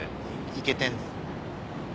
イケてんねん。